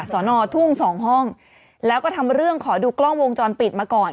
สอนอทุ่งสองห้องแล้วก็ทำเรื่องขอดูกล้องวงจรปิดมาก่อน